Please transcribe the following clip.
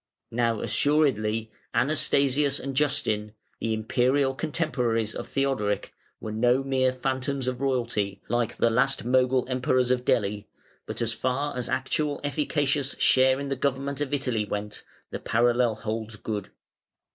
Now assuredly Anastasius and Justin, the Imperial contemporaries of Theodoric, were no mere phantoms of royalty, like the last Mogul Emperors of Delhi, but as far as actual efficacious share in the government of Italy went, the parallel holds good.